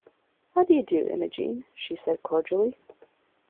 “How do you do, Imogen?” she said cordially.